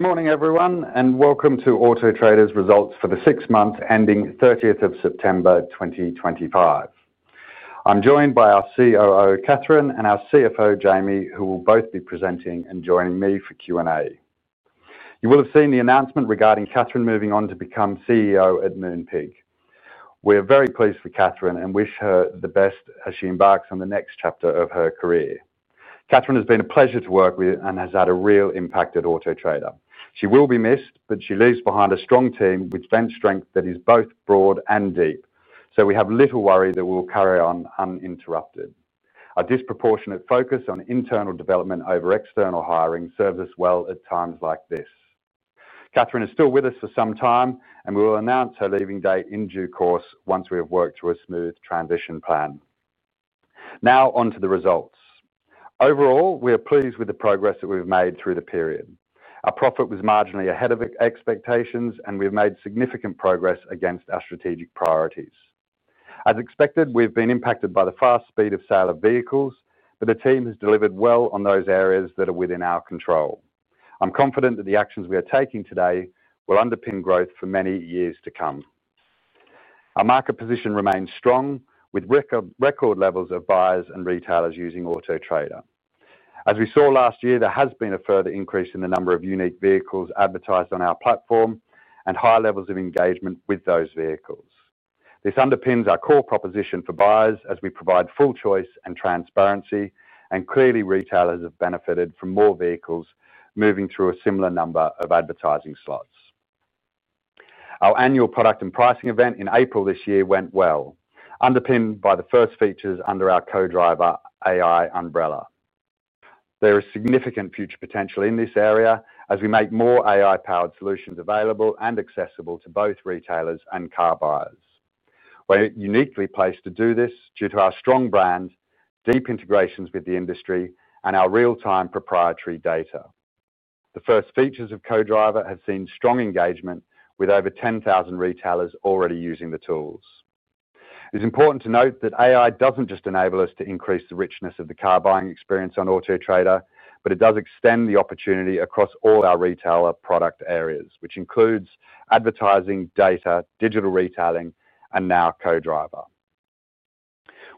Morning everyone and welcome to Auto Trader's results for the six months ending 30th of September 2025. I'm joined by our COO Catherine and our CFO Jamie who will both be presenting and joining me for Q and A. You will have seen the announcement regarding Catherine moving on to become CEO at Moonpig. We are very pleased for Catherine and wish her the best as she embarks on the next chapter of her career. Catherine has been a pleasure to work with and has had a real impact at Auto Trader. She will be missed, but she leaves behind a strong team with bench strength that is both broad and deep, so we have little worry that we will carry on uninterrupted. A disproportionate focus on internal development over external hiring serves us well at times like this. Catherine is still with us for some time and we will announce her leaving date in due course once we have worked through a smooth transition plan. Now on to the results. Overall, we are pleased with the progress that we've made through the period. Our profit was marginally ahead of expectations and we've made significant progress against our strategic priorities. As expected, we've been impacted by the fast speed of sale of vehicles, but the team has delivered well on those areas that are within our control. I'm confident that the actions we are taking today will underpin growth for many years to come. Our market position remains strong with record levels of buyers and retailers using Auto Trader. As we saw last year, there has been a further increase in the number of unique vehicles advertised on our platform and high levels of engagement with those vehicles. This underpins our core proposition for buyers as we provide full choice and transparency and clearly retailers have benefited from more vehicles moving through a similar number of advertising slots. Our annual product and pricing event in April this year went well, underpinned by the first features under our Co-Driver AI umbrella. There is significant future potential in this area as we make more AI powered solutions available and accessible to both retailers and car buyers. We are uniquely placed to do this due to our strong brand, deep integrations with the industry, and our real time proprietary data. The first features of Co-Driver have seen strong engagement with over 10,000 retailers already using the tools. It's important to note that AI doesn't just enable us to increase the richness of the car buying experience on Auto Trader, but it does extend the opportunity across all our retailer product areas which includes advertising, data, digital retailing, and now Co-Driver.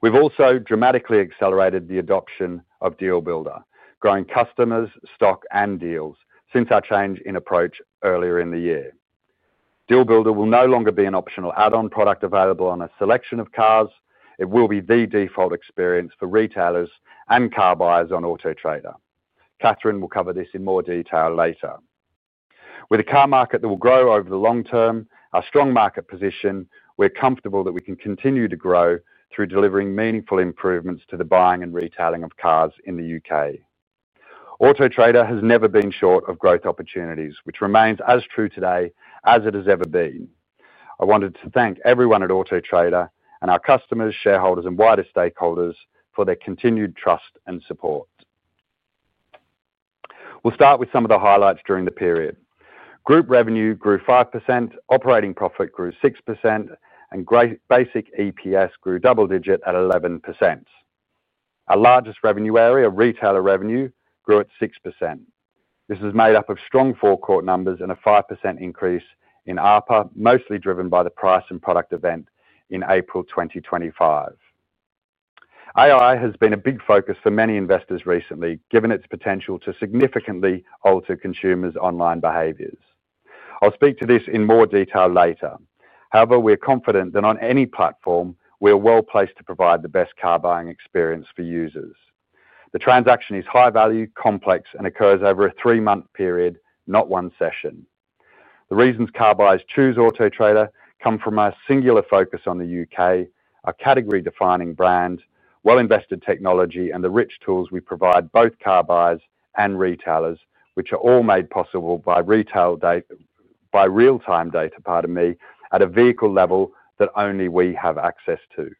We've also dramatically accelerated the adoption of Deal Builder, growing customers, stock, and deals since our change in approach earlier in the year. Deal Builder will no longer be an optional add-on product available on a selection of cars. It will be the default experience for retailers and car buyers on Auto Trader. Catherine will cover this in more detail later. With a car market that will grow over the long term, our strong market position, we're comfortable that we can continue to grow through delivering meaningful improvements to the buying and retailing of cars in the U.K. Trader has never been short of growth opportunities, which remains as true today as it has ever been. I wanted to thank everyone at Auto Trader and our customers, shareholders, and wider stakeholders for their continued trust and support. We'll start with some of the highlights. During the period, Group revenue grew 5%, operating profit grew 6%, and Basic EPS grew double digit at 11%. Our largest revenue area, retailer revenue, grew at 6%. This is made up of strong forecourt numbers and a 5% increase in ARPR, mostly driven by the price and product event in April 2025. AI has been a big focus for many investors recently given its potential to significantly alter consumers online behaviors. I'll speak to this in more detail later. However, we are confident that on any platform we are well placed to provide the best car buying experience for users. The transaction is high value, complex and occurs over a three month period, not one session. The reasons car buyers choose Auto Trader come from our singular focus on the U.K., our category defining brand, well invested technology and the rich tools we provide both car buyers and retailers which are all made possible by real time data. Pardon me, at a vehicle level that only we have access to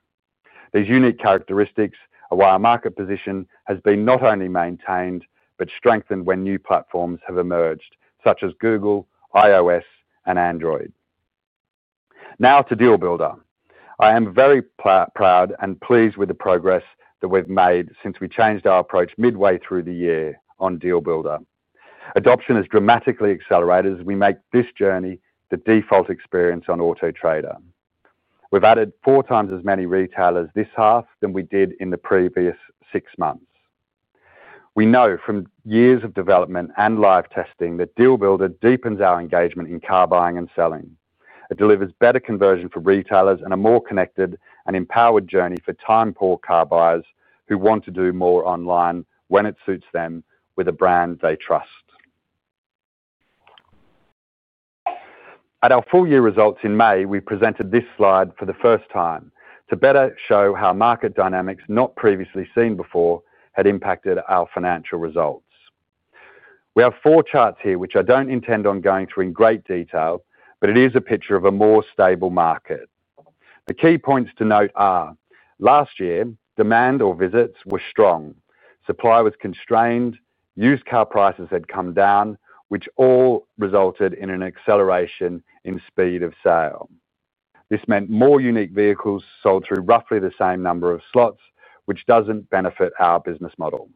these unique characteristics. Why our market position has been not only maintained but strengthened when new platforms have emerged such as Google, iOS and Android. Now to Deal Builder. I am very proud and pleased with the progress that we've made since we changed our approach midway through the year on Deal Builder. Adoption has dramatically accelerated as we make this journey the default experience on Auto Trader. We've added four times as many retailers this half than we did in the previous six months. We know from years of development and live testing that Deal Builder deepens our engagement in car buying and selling. It delivers better conversion for retailers and a more connected and empowered journey for time-poor car buyers who want to do more online when it suits them with a brand they trust. At our full year results in May we presented this slide for the first time to better show how market dynamics not previously seen before had impacted our financial results. We have four charts here, which I don't intend on going through in great detail, but it is a picture of a more stable market. The key points to note last year: demand or visits were strong, supply was constrained, used car prices had come down, which all resulted in an acceleration in speed of sale. This meant more unique vehicles sold through roughly the same number of slots, which does not benefit our business model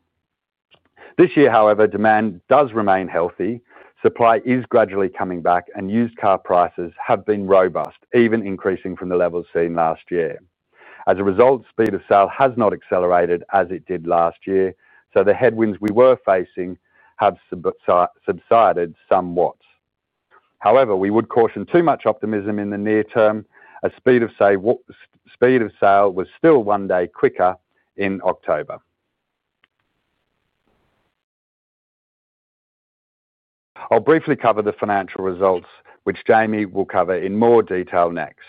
this year. However, demand does remain healthy, supply is gradually coming back, and used car prices have been robust, even increasing from the levels seen last year. As a result, speed of sale has not accelerated as it did last year, so the headwinds we were facing have subsided somewhat. However, we would caution too much optimism in the near term as speed of sale was still one day quicker in October. I'll briefly cover the financial results, which Jamie will cover in more detail next.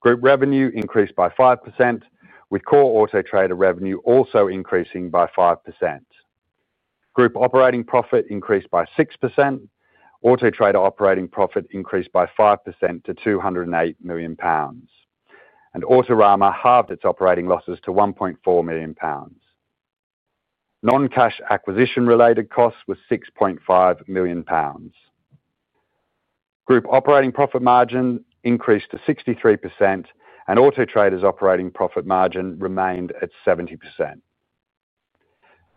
Group revenue increased by 5% with Core Auto Trader revenue also increasing by 5%. Group operating profit increased by 6%, Auto Trader operating profit increased by 5% to 208 million pounds and Autorama halved its operating losses to 1.4 million pounds. Non-cash acquisition related costs were 6.5 million pounds, Group operating profit margin increased to 63% and Auto Trader's operating profit margin remained at 70%.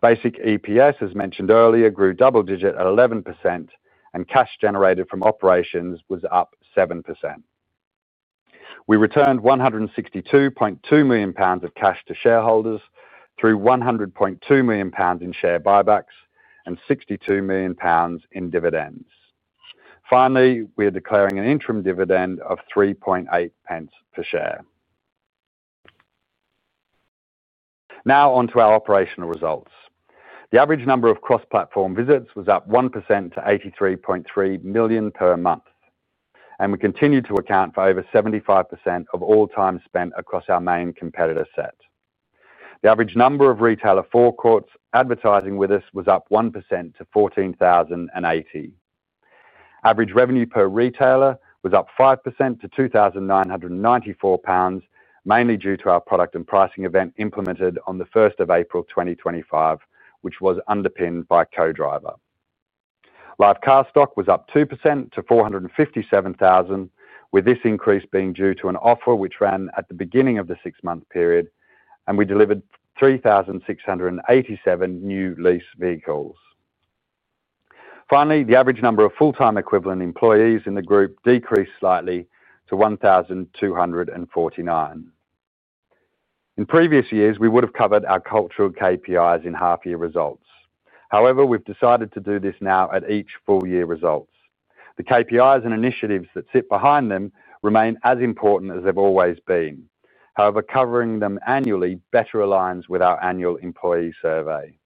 Basic EPS as mentioned earlier grew double digit at 11% and cash generated from operations was up 7%. We returned 162.2 million pounds of cash to shareholders through 100.2 million pounds in share buybacks, 62 million pounds in dividends. Finally we are declaring an interim dividend of 0.038 per share. Now onto our operational results. The average number of cross-platform visits was up 1% to 83.3 million per month and we continue to account for over 75% of all time spent across our main competitor set. The average number of retailer forecourts advertising with us was up 1% to 14,080. Average revenue per retailer was up 5% to 2,994 pounds mainly due to our product and pricing event implemented on the 1st of April 2025 which was underpinned by Co-Driver. Live car stock was up 2% to 457,000 with this increase being due to an offer which ran at the beginning of the six month period and we delivered 3,687 new lease vehicles. Finally, the average number of full time equivalent employees in the Group decreased slightly to 1,249. In previous years we would have covered our cultural KPIs in half year results. However, we have decided to do this now at each full year results. The KPIs and initiatives that sit behind them remain as important as they have always been. However, covering them annually better aligns with our annual employee survey.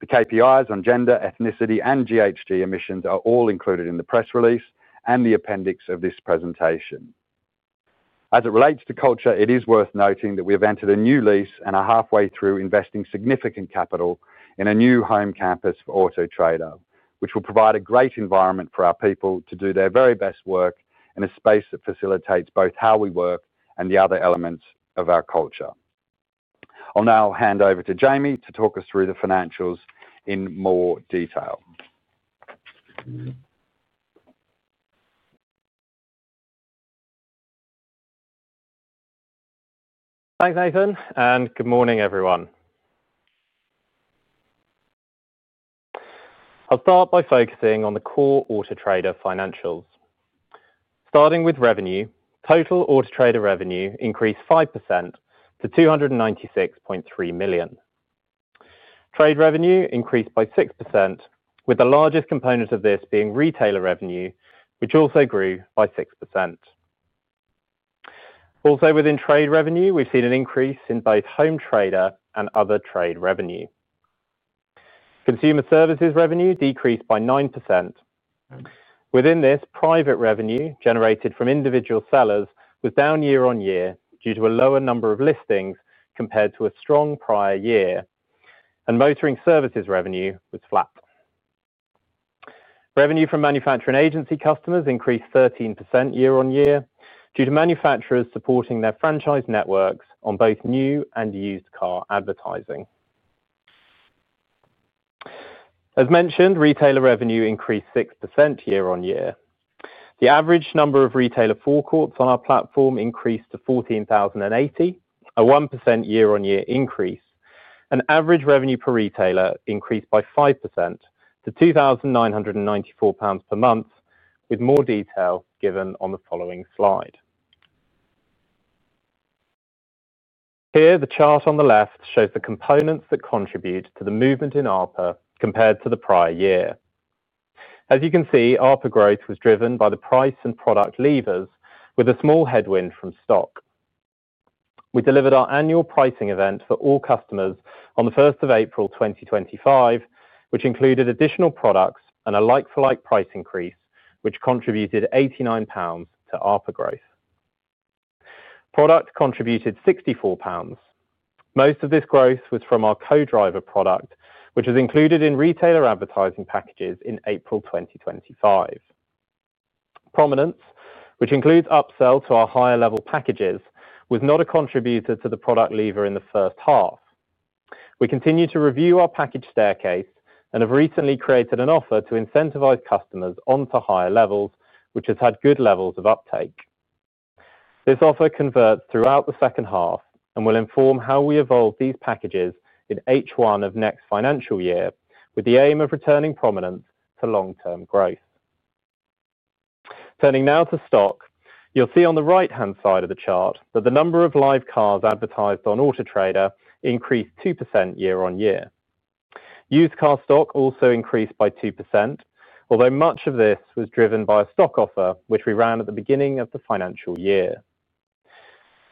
The KPIs on gender, ethnicity, and GHG emissions are all included in the press release and the appendix of this presentation. As it relates to culture, it is worth noting that we have entered a new lease and are halfway through investing significant capital in a new home campus for Auto Trader, which will provide a great environment for our people to do their very best work in a space that facilitates both how we work and the other elements of our culture. I'll now hand over to Jamie to talk us through the financials in more detail. Thanks Nathan and good morning everyone. I'll start by focusing on the core Auto Trader financials, starting with revenue. Total Auto Trader revenue increased 5% to 296.3 million. Trade revenue increased by 6% with the largest component of this being retailer revenue which also grew by 6%. Also within trade revenue we've seen an increase in both home trader and other trade revenue. Consumer Services revenue decreased by 9%. Within this, private revenue generated from individual sellers was down year-on-year due to a lower number of listings compared to a strong prior year, and motoring services revenue was flat. Revenue from Manufacturer agency customers increased 13% year-on-year due to manufacturers supporting their franchise networks on both new and used car advertising. As mentioned, retailer revenue increased 6% year-on-year. The average number of retailer forecourts on our platform increased to 14,080, a 1% year-on-year increase and average revenue per retailer increased by 5% to 2,994 pounds per month with more detail given on the following slide. Here the chart on the left shows the components that contribute to the movement in ARPR compared to the prior year. As you can see, ARPR growth was driven by the price and product levers with a small headwind from stock. We delivered our annual pricing event for all customers on the 1st of April 2025 which included additional products and a like for like price increase which contributed 89 pounds to ARPR growth. Product contributed 64 pounds. Most of this growth was from our Co-Driver product which was included in retailer advertising packages in April 2025. Prominence, which includes upsell to our higher level packages, was not a contributor to the product lever in the first half. We continue to review our package staircase and have recently created an offer to incentivize customers onto higher levels which has had good levels of uptake. This offer converts throughout the second half and will inform how we evolve these packages in H1 of next financial year with the aim of returning prominence to long term growth. Turning now to stock, you'll see on the right hand side of the chart that the number of live cars advertised on Auto Trader increased 2% year-on-year. Used car stock also increased by 2%, although much of this was driven by a stock offer which we ran at the beginning of the financial year.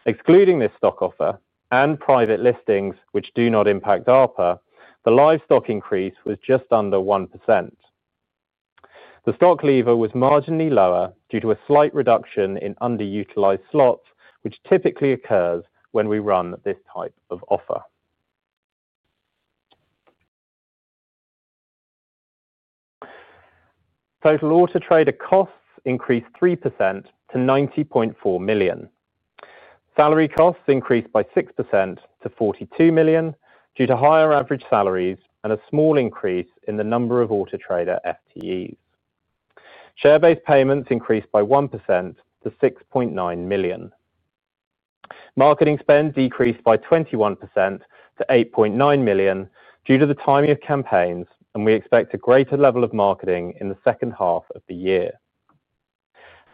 Excluding this stock offer and private listings which do not impact ARPR, the live stock increase was just under 1%. The stock lever was marginally lower due to a slight reduction in underutilized slots which typically occurs when we run this type of offer. Total Auto Trader costs increased 3% to 90.4 million. Salary costs increased by 6% to 42 million due to higher average salaries and a small increase in the number of Auto Trader FTEs. Share based payments increased by 1% to 6.9 million. Marketing spend decreased by 21% to 8.9 million due to the timing of campaigns and we expect a greater level of marketing in the second half of the year.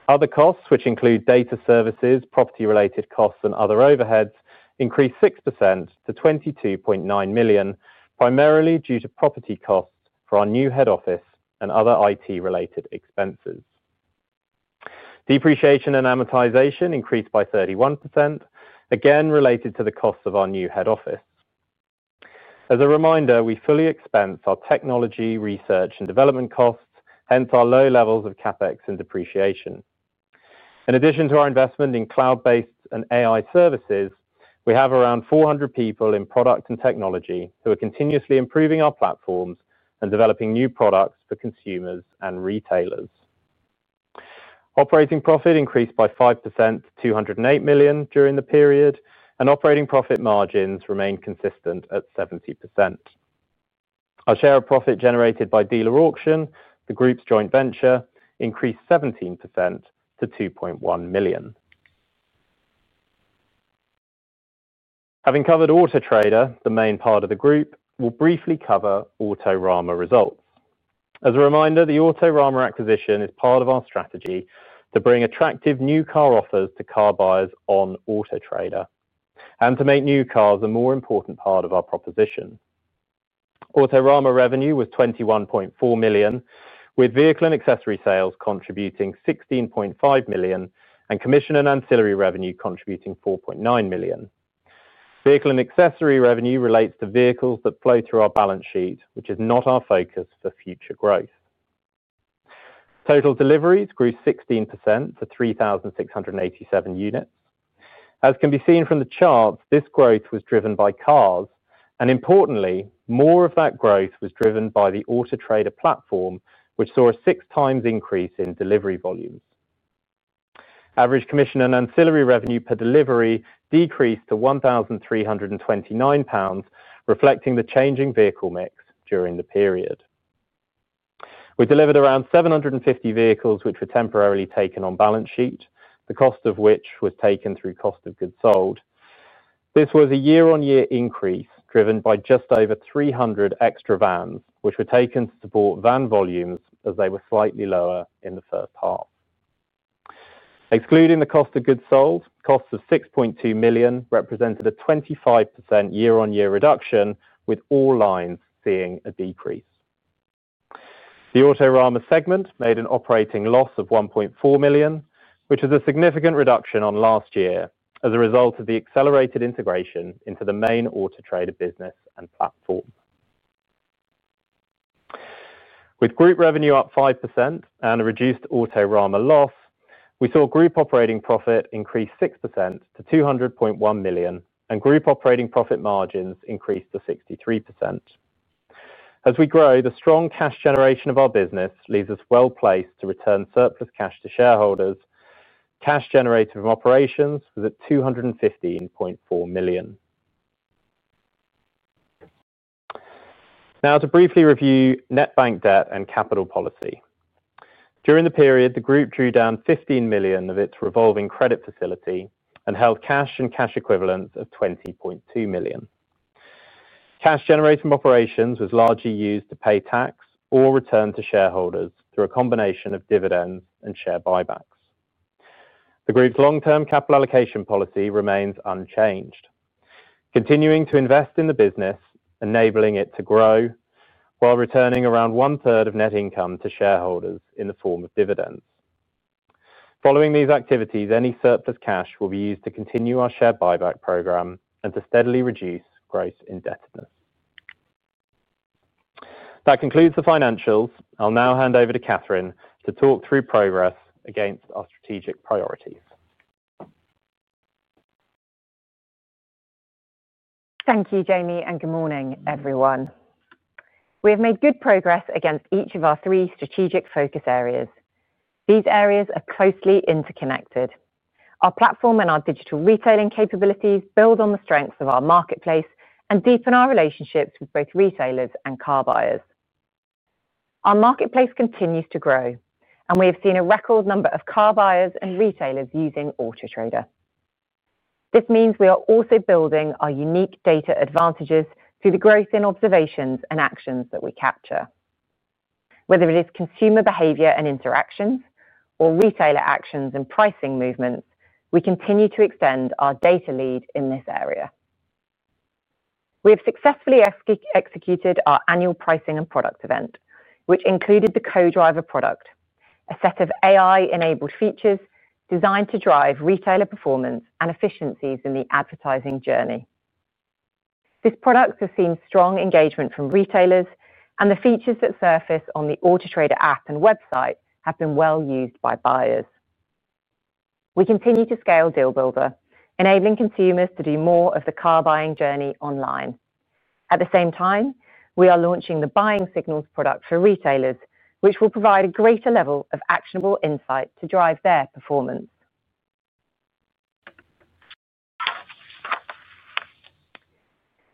Other costs, which include data services, property related costs, and other overheads, increased 6% to 22.9 million primarily due to property costs for our new head office and other IT related expenses. Depreciation and amortization increased by 31%, again related to the cost of our new head office. As a reminder, we fully expense our technology research and development costs, hence our low levels of CapEx and depreciation. In addition to our investment in cloud based and AI services, we have around 400 people in product and technology who are continuously improving our platforms, developing new products for consumers and retailers. Operating profit increased by 5% to 208 million during the period and operating profit margins remained consistent at 70%. Our share of profit generated by Dealer Auction, the Group's joint venture, increased 17% to 2.1 million. Having covered Auto Trader, the main part of the Group, will briefly cover Autorama results. As a reminder, the Autorama acquisition is part of our strategy to bring attractive new car offers to car buyers on Auto Trader and to make new cars a more important part of our proposition. Autorama revenue was 21.4 million with vehicle and accessory sales contributing 16.5 million and commission and ancillary revenue contributing 4.9 million. Vehicle and accessory revenue relates to vehicles that flow through our balance sheet which is not our focus for future growth. Total deliveries grew 16% to 3,687 units. As can be seen from the chart, this growth was driven by cars and importantly more of that growth was driven by the Auto Trader platform which saw a six times increase in delivery volumes. Average commission and ancillary revenue per delivery decreased to 1,329 pounds. Reflecting the changing vehicle mix during the period we delivered around 750 vehicles which were temporarily taken on balance sheet, the cost of which was taken through cost of goods sold. This was a year-on-year increase driven by just over 300 extra vans which were taken to be bought van volumes as they were slightly lower in the first half. Excluding the cost of goods sold, costs of 6.2 million represented a 25% year-on-year reduction with all lines seeing a decrease. The Autorama segment made an operating loss of 1.4 million which is a significant reduction on last year as a result of the accelerated integration into the main Auto Trader business and platform. With Group revenue up 5% and a reduced Autorama loss, we saw Group operating profit increase 6% to 200.1 million and Group operating profit margins increase to 63%. As we grow, the strong cash generation of our business leaves us well placed to return surplus cash to shareholders. Cash generated from operations was at 215.4 million. Now to briefly review Net bank debt and Capital policy. During the period, the Group drew down 15 million of its revolving credit facility and held cash and cash equivalents of 20.2 million. Cash generated from operations was largely used to pay tax or return to shareholders through a combination of dividends and share buybacks. The Group's long term capital allocation policy remains unchanged, continuing to invest in the business, enabling it to grow while returning around one third of Net income to shareholders in the form of dividends. Following these activities, any surplus cash will be used to continue our share buyback program and to steadily reduce Gross indebtedness. That concludes the financials. I'll now hand over to Catherine to talk through progress against our strategic priorities. Thank you Jamie and good morning everyone. We have made good progress against each of our three strategic focus areas. These areas are closely interconnected. Our platform and our digital retailing capabilities build on the strengths of our marketplace and deepen our relationships with both retailers and car buyers. Our marketplace continues to grow and we have seen a record number of car buyers and retailers using Auto Trader. This means we are also building our unique data advantages through the growth in observations and actions that we capture. Whether it is consumer behavior and interactions or retailer actions and pricing movements, we continue to extend our data lead in this area. We have successfully executed our annual pricing and product event, which included the Co-Driver product, a set of AI-enabled features designed to drive retailer performance and efficiencies in the advertising journey. This product has seen strong engagement from retailers and the features that surface on the Auto Trader app and website have been well used by buyers. We continue to scale Deal Builder enabling consumers to do more of the car buying journey online. At the same time, we are launching the Buying Signals product for retailers which will provide a greater level of actionable insight to drive their performance.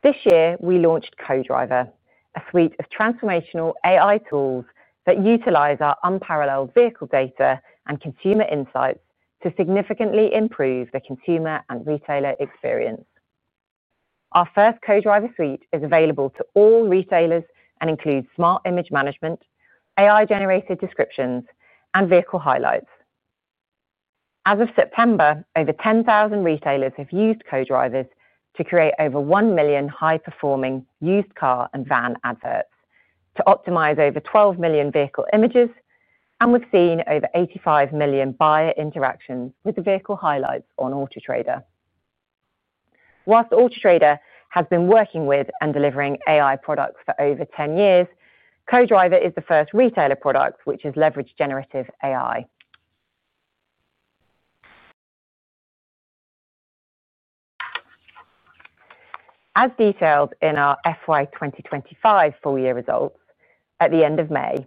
This year we launched Co-Driver, a suite of transformational AI tools that utilize our unparalleled vehicle data and consumer insights to significantly improve the consumer and retailer experience. Our first Co-Driver suite is available to all retailers and includes Smart Image Management, AI generated descriptions and Vehicle highlights. As of September, over 10,000 retailers have used Co-Driver to create over 1 million high performing used car and van adverts to optimize over 12 million vehicle images and we've seen over 85 million buyer interactions with the vehicle highlights on Auto Trader. Whilst Auto Trader has been working with and delivering AI products for over 10 years, Co-Driver is the first retailer product which has leveraged generative AI, as detailed in our FY 2025 full year results. At the end of May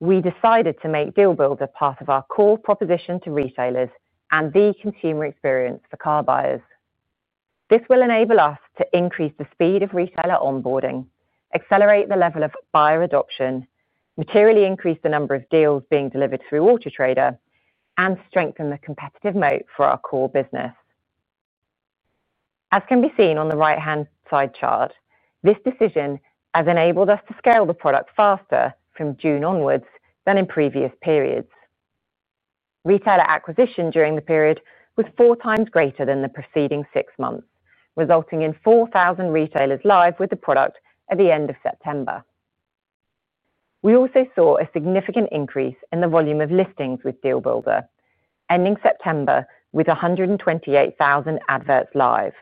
we decided to make Deal Builder part of our core proposition to retailers and the consumer experience for car buyers. This will enable us to increase the speed of retailer onboarding, accelerate the level of buyer adoption, materially increase the number of deals being delivered through Auto Trader and strengthen the competitive moat for our core business. As can be seen on the right hand side chart, this decision has enabled us to scale the product faster from June onwards than in previous periods. Retailer acquisition during the period was four times greater than the preceding six months resulting in 4,000 retailers live with the product at the end of September. We also saw a significant increase in the volume of listings with Deal Builder ending September with 128,000 adverts live.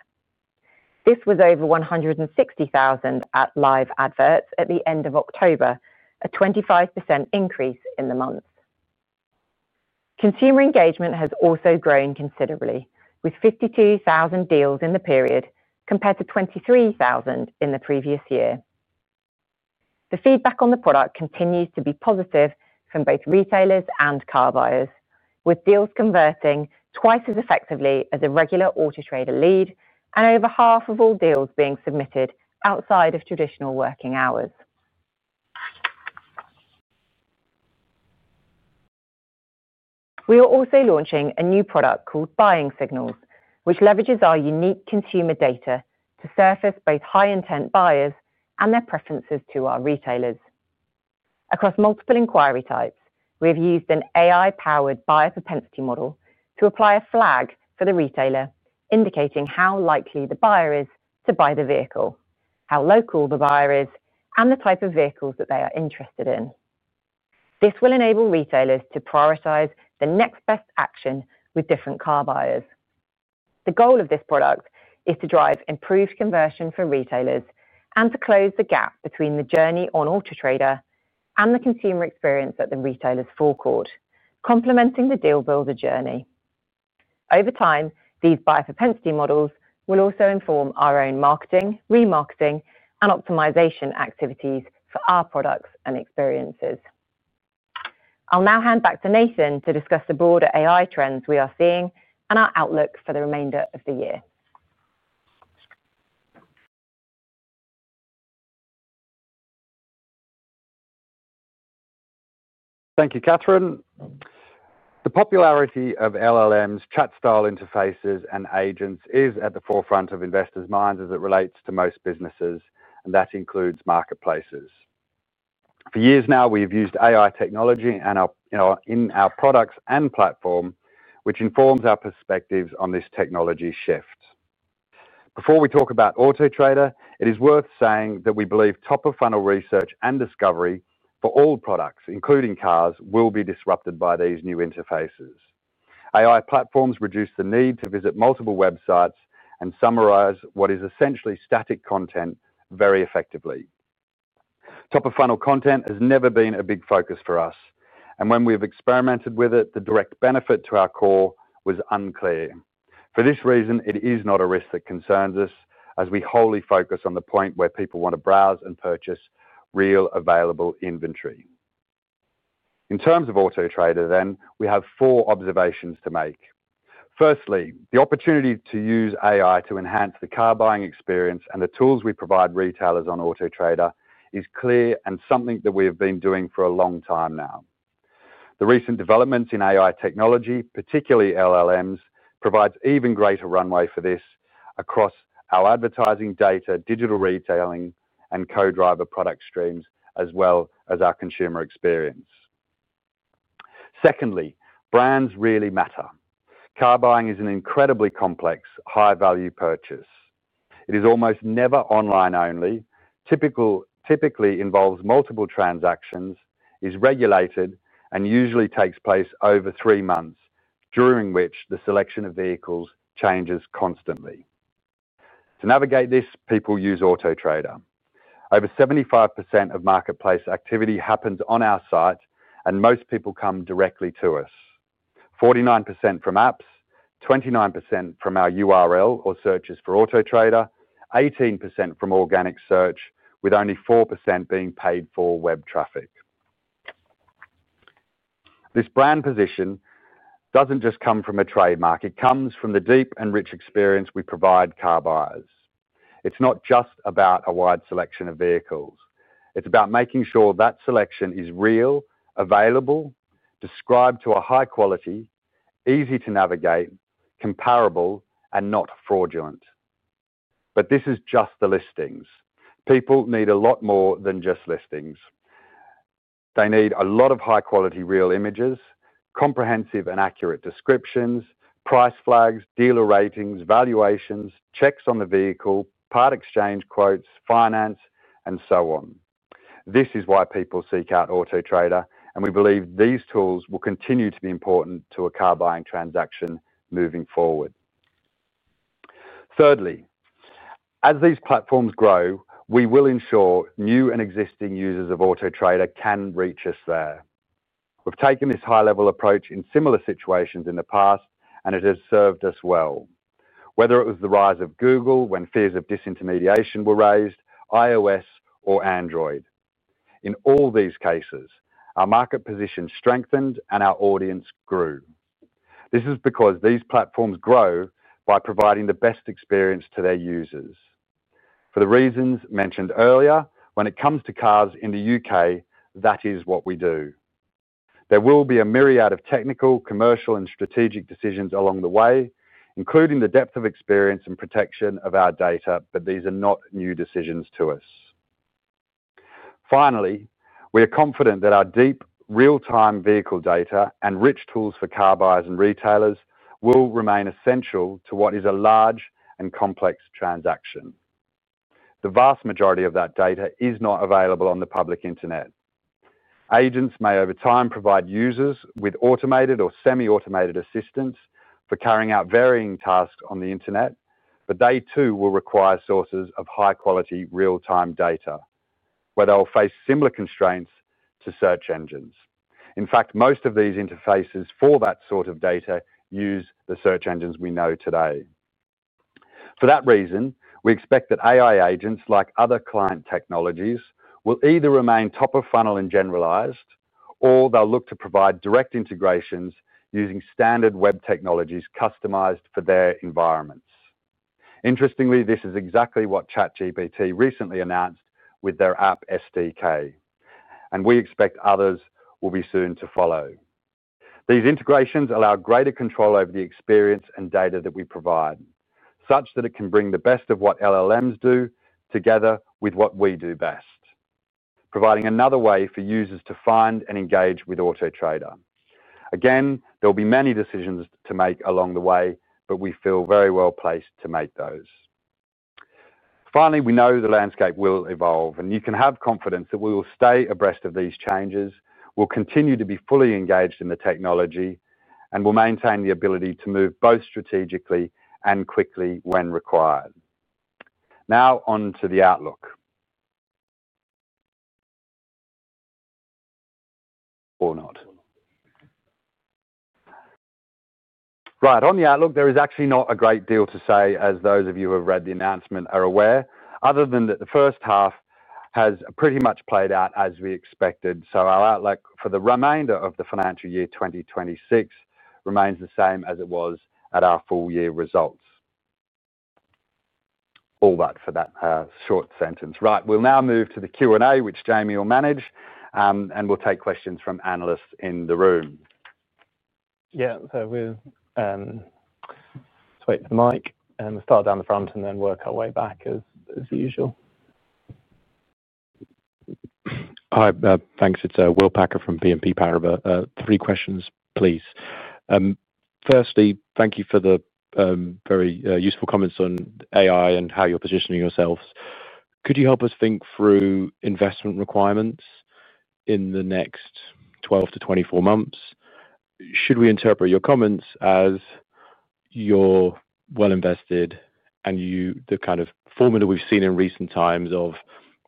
This was over 160,000 live adverts at the end of October, a 25% increase in the month. Consumer engagement has also grown considerably with 52,000 deals in the period compared to 23,000 in the previous year. The feedback on the product continues to be positive from both retailers and car buyers with deals converting to twice as effectively as a regular Auto Trader lead and over half of all deals being submitted outside of traditional working hours. We are also launching a new product called Buying Signals which leverages our unique consumer data to surface both high intent buyers and their preferences to our retailers across multiple inquiry types. We have used an AI-powered buyer propensity model to apply a flag for the retailer indicating how likely the buyer is to buy the vehicle, how local the buyer is, and the type of vehicles that they are interested in. This will enable retailers to prioritize the next best action with different car buyers. The goal of this product is to drive improved conversion for retailers and to close the gap between the journey on Auto Trader and the consumer experience at the retailer's forecourt. Complementing the Deal Builder journey over time, these buyer propensity models will also inform our own marketing, remarketing, and optimization activities for our products and experiences. I'll now hand back to Nathan to discuss the broader AI trends we are seeing and our outlook for the remainder of the year. Thank you, Catherine. The popularity of LLMs, chat style interfaces, and agents is at the forefront of investors' minds as it relates to most businesses, and that includes marketplaces. For years now, we've used AI technology in our products and platform, which informs our perspectives on this technology shift. Before we talk about Auto Trader, it is worth saying that we believe top of funnel research and discovery for all products, including cars, will be disrupted by these new interfaces. AI platforms reduce the need to visit multiple websites and summarize what is essentially static content very effectively. Top of funnel content has never been a big focus for us, and when we've experimented with it, the direct benefit to our core was unclear. For this reason it is not a risk that concerns us as we wholly focus on the point where people want to browse and purchase real available inventory. In terms of Auto Trader then we have four observations to make. Firstly, the opportunity to use AI to enhance the car buying experience and the tools we provide retailers on Auto Trader is clear and something that we have been doing for a long time now. The recent developments in AI technology, particularly LLMs, provides even greater runway for this across our advertising, data, digital retailing, and Co-Driver product streams as well as our consumer experience. Secondly, brands really matter. Car buying is an incredibly complex high value purchase. It is almost never online only, typically involves multiple transactions, is regulated, and usually takes place over three months during which the selection of vehicles changes constantly. To navigate this people use Auto Trader. Over 75% of marketplace activity happens on our site and most people come directly to us. 49% from apps, 29% from our URL or searches for Auto Trader, 18% from organic search with only 4% being paid for web traffic. This brand position does not just come from a trademark, it comes from the deep and rich experience we provide car buyers. It is not just about a wide selection of vehicles, it is about making sure that selection is real, available, described to a high quality, easy to navigate, comparable and not fraudulent. This is just the listings. People need a lot more than just listings. They need a lot of high quality, real images, comprehensive and accurate descriptions, price flags, dealer ratings, valuations, checks on the vehicle, part exchange quotes, finance and so on. This is why people seek out Auto Trader and we believe these tools will continue to be important to a car buying transaction moving forward. Thirdly, as these platforms grow, we will ensure new and existing users of Auto Trader can reach us there. We've taken this high level approach in similar situations in the past and it has served us well whether it was the rise of Google when fears of disintermediation were raised, iOS or Android. In all these cases our market position strengthened and our audience grew. This is because these platforms grow by providing the best experience to their users. For the reasons mentioned earlier, when it comes to cars in the U.K. that is what we do. There will be a myriad of technical, commercial and strategic decisions along the way, including the depth of experience and protection of our data. These are not new decisions to us. Finally, we are confident that our deep real time vehicle data and rich tools for car buyers and retailers will remain essential to what is a large and complex transaction. The vast majority of that data is not available on the public Internet. Agents may over time provide users with automated or semi automated assistance for carrying out varying tasks on the Internet, but they too will require sources of high quality real time data where they'll face similar constraints to search engines. In fact, most of these interfaces for that sort of data use the search engines we know today. For that reason, we expect that AI agents, like other client technologies, will either remain top of funnel and generalized or they'll look to provide direct integrations using standard web technologies customized for their environments. Interestingly, this is exactly what ChatGPT recently announced with their App SDK and we expect others will be soon to follow. These integrations allow greater control over the experience and data that we provide, such that it can bring the best of what LLMs do together with what we do best, providing another way for users to find and engage with Auto Trader. Again, there will be many decisions to make along the way, but we feel very well placed to make those. Finally, we know the landscape will evolve and you can have confidence that we will stay abreast of these changes. We'll continue to be fully engaged in the technology and will maintain the ability to move both strategically and quickly when required. Now, onto the outlook. Or not. Right on the outlook. There is actually not a great deal to say, as those of you who have read the announcement are aware, other than that the first half has pretty much played out as we expected. Our outlook for the remainder of the financial year 2026 remains the same as it was at our full year results. All that for that short sentence. Right, we will now move to the Q and A, which Jamie will manage and we will take questions from analysts in the room. Yeah, let's wait for the mic and start down the front and then work our way back as usual. Hi, thanks. It's Will Packer from BNP Paribas. Three questions, please. Firstly, thank you for the very useful comments on AI and how you're positioning yourselves. Could you help us think through investment requirements in the next 12-24 months? Should we interpret your comments as you're well invested and the kind of formula we've seen in recent times of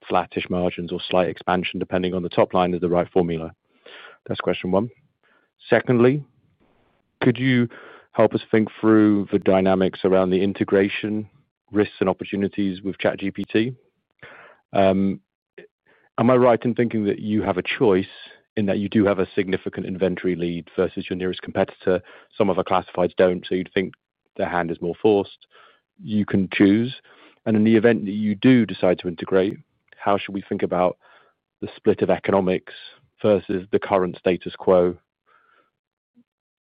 flattish margins or slight expansion depending on the top line, is the right formula? That's question one. Secondly, could you help us think through the dynamics around the integration risks and opportunities with ChatGPT? Am I right in thinking that you have a choice in that you do have a significant inventory lead versus your nearest competitor? Some of our classifieds do not, so you'd think their hand is more forced. You can choose. In the event that you do. Decide to integrate, how should we think about the split of economics versus the current status quo?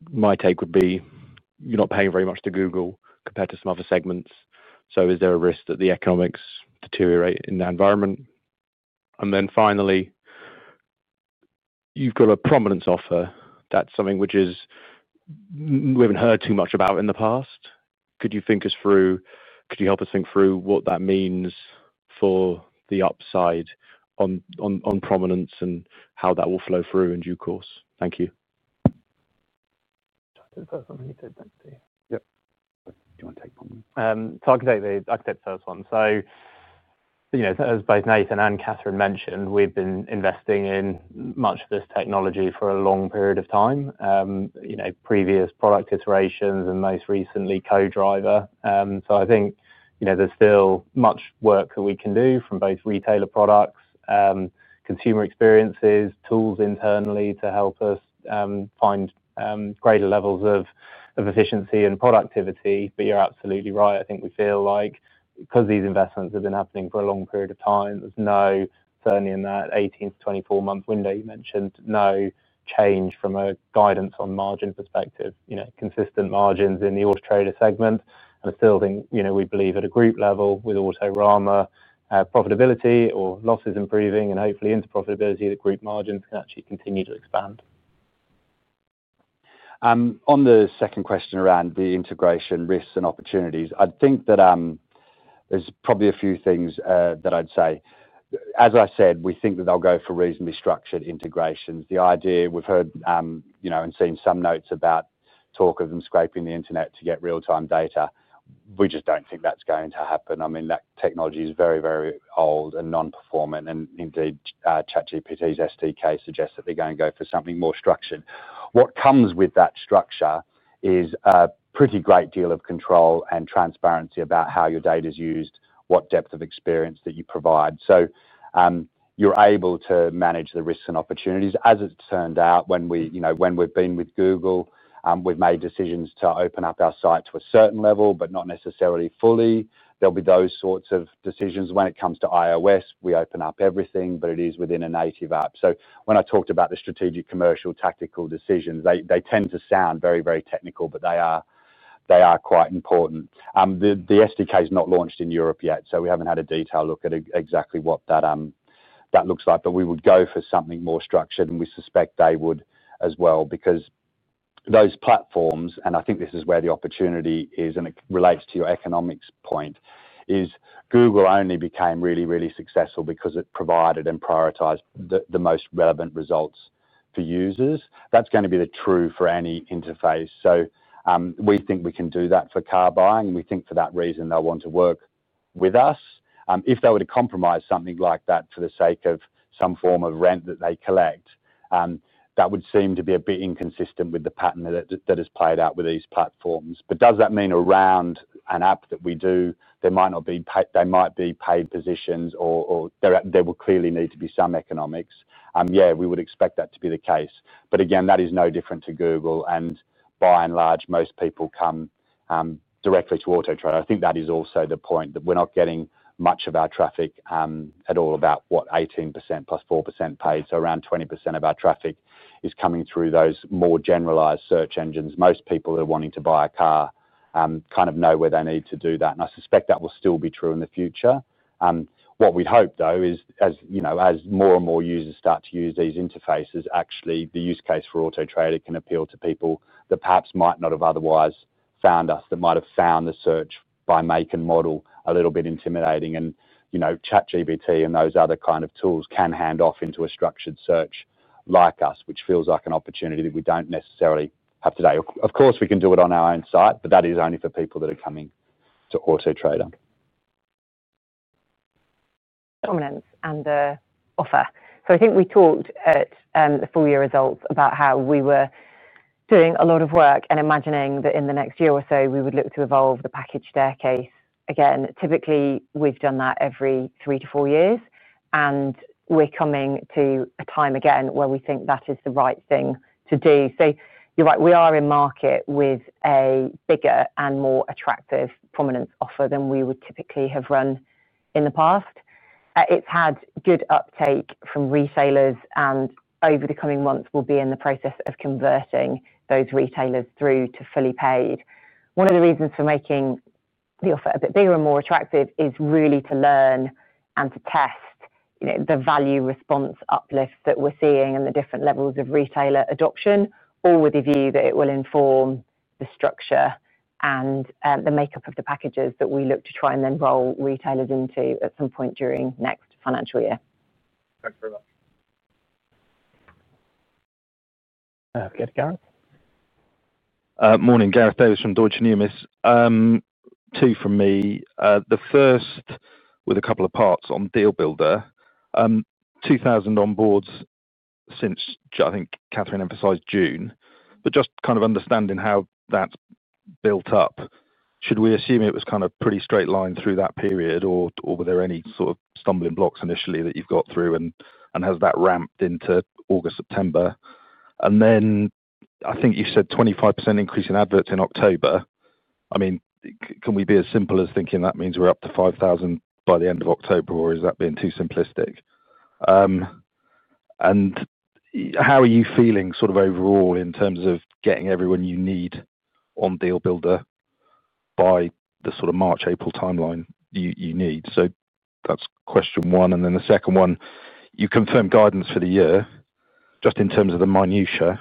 My take would be you're not paying very much to Google compared to some other segments, so is there a risk that the economics deteriorate in the environment? Then finally, you've got a prominence offer. That's something which is we haven't heard too much about in the past. Could you help us think through what that means for the upside on prominence and how that will flow through in due course? Thank you. I can take the first one. As both Nathan and Catherine mentioned, we've been investing in much of this technology for a long period of time, previous product iterations and most recently Co-Driver. I think there's still much work that we can do from both retailer products, consumer experiences, tools internally to help us find greater levels of efficiency and productivity. You're absolutely right, I think we feel like because these investments have been happening for a long period of time, there's no, certainly in that 18-24 month window you mentioned, no change. From a guidance on margin perspective, consistent margins in the Auto Trader segment and still we believe at a Group level with Autorama profitability or losses improving and hopefully into profitability, the Group margins can actually continue to expand. On the second question around the integration risks and opportunities, I think that there's probably a few things that I'd say. As I said, we think that they'll go for reasonably structured integrations. The idea we've heard, you know, and seen some notes about talk of them scraping the Internet to get real time data. We just don't think that's going to happen. I mean that technology is very, very old and non performant and indeed ChatGPT's SDK suggests that they're going to go for something more structured. What comes with that structure is a pretty great deal of control and transparency about how your data is used, what depth of experience that you provide so you're able to manage the risks and opportunities. As it turned out, when we've been with Google, we've made decisions to open up our site to a certain level, but not necessarily fully. There'll be those sorts of decisions. When it comes to iOS, we open up everything, but it is within a native app. When I talked about the strategic commercial tactical decisions, they tend to sound very, very technical. They are quite important. The SDK is not launched in Europe yet, so we haven't had a detailed look at exactly what that looks like. We would go for something more structured and we suspect they would as well because those platforms, and I think this is where the opportunity is and it relates to your economics point, is Google only became really, really successful because it provided and prioritized the most relevant results to users. That's going to be true for any interface. We think we can do that for car buying. We think for that reason they'll want to work with us. If they were to compromise something like that for the sake of some form of rent that they collect, that would seem to be a bit inconsistent with the pattern that has played out with these platforms. Does that mean around an App that we do, they might be paid positions or there will clearly need to be some economics? Yeah, we would expect that to be the case. But. That is no different to Google and by and large most people come directly to Auto Trader. I think that is also the point that we're not getting much of our traffic at all, about what, 18% +4% paid. So around 20% of our traffic is coming through those more generalised search engines. Most people that are wanting to buy a car kind of know where they need to do that and I suspect that will still be true in the future. What we hope though, is as more and more users start to use these interfaces, actually the use case for Auto Trader can appeal to people that perhaps might not have otherwise found us, that might have found the search by make and model a little bit intimidating. You know, ChatGPT and those other kind of tools can hand off into a structured search like us, which feels like an opportunity that we do not necessarily have today. Of course we can do it on our own site, but that is only for people that are coming to Auto Trader. Dominance and the offer. I think we talked at the full year results about how we were doing a lot of work and imagining that in the next year or so we would look to evolve the package staircase again. Typically, we've done that every three to four years and we're coming to a time again where we think that is the right thing to do. You're right. We are in market with a bigger and more attractive prominence offer than we would typically have run in the past. It's had good uptake from resellers and over the coming months we'll be in the process of converting those retailers through to fully paid. One of the reasons for making the offer a bit bigger and more attractive is really to learn and to test the value response uplift that we're seeing and the different levels of retailer adoption, with the view that it will inform the structure and the makeup of the packages that we look to try and then roll retailers into at some point during next financial year. Thanks very much. Morning. Gareth Davies from Deutsche Numis, two from me, the first with a couple of. Parts on Deal Builder, 2,000 on boards since, I think Catherine emphasized June, but just kind of understanding how that built up. Should we assume it was kind of? Pretty straight line through that period, or. Were there any sort of stumbling blocks? Initially that you've got through? Has that ramped into August, September and then I think you said 25% increase in adverts in October? I mean, can we be as simple as thinking that means we're up to 5,000 by the end of October, or is that being too simplistic? How are you feeling sort of overall in terms of getting everyone you need on Deal Builder by the sort of March, April timeline you need? That is question one and then the second one, you confirmed guidance for the year. Just in terms of the minutiae,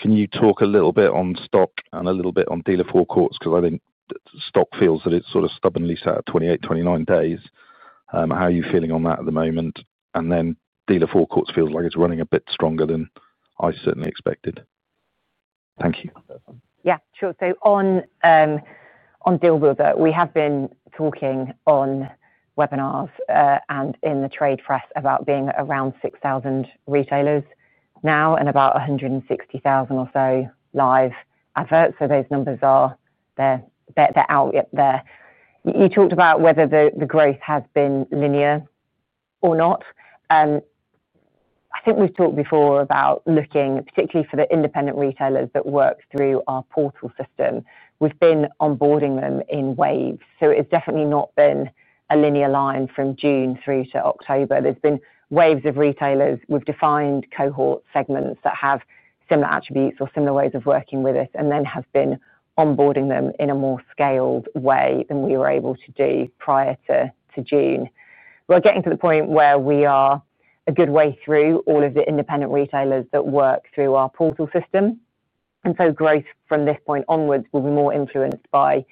can you talk a little bit on stock and a little bit on dealer forecourts? Because I think stock feels that it's sort of stubbornly set at 28-29 days. How are you feeling on that at the moment? Dealer forecourts feels like it's running a bit stronger than I certainly expected. Thank you. Yeah, sure. On Deal Builder, we have been talking on webinars and in the trade press about being around 6,000 retailers now and about 160,000 or so live adverts. Those numbers are out there. You talked about whether the growth has been linear or not. I think we've talked before about looking particularly for the independent retailers that work through our portal system. We've been onboarding them in waves, so it's definitely not been a linear line. From June through to October, there's been waves of retailers. We've defined cohort segments that have similar attributes or similar ways of working with us and then have been onboarding them in a more scaled way than we were able to do prior to June. We're getting to the point where we are a good way through all of the independent retailers that work through our portal system. Growth from this point onwards will be more influenced by